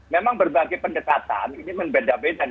memang berbagai pendekatan ini membeda beda